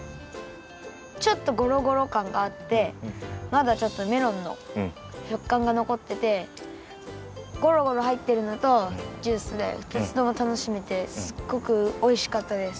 ちょっとゴロゴロかんがあってまだちょっとメロンのしょっかんがのこっててゴロゴロはいってるのとジュースで２つとも楽しめてすっごくおいしかったです。